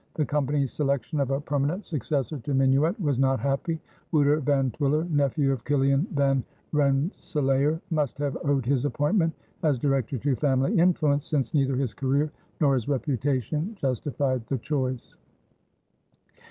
The Company's selection of a permanent successor to Minuit was not happy. Wouter Van Twiller, nephew of Kiliaen Van Rensselaer, must have owed his appointment as Director to family influence, since neither his career nor his reputation justified the choice.